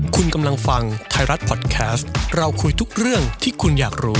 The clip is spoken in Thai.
คุณกำลังฟังไทยรัฐพอดแคสต์เราคุยทุกเรื่องที่คุณอยากรู้